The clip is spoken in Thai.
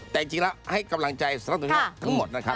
แต่จริงแล้วให้กำลังใจสำนักงานตรวจแห่งชาติทั้งหมดนะครับ